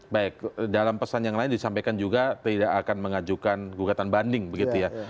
baik dalam pesan yang lain disampaikan juga tidak akan mengajukan gugatan banding begitu ya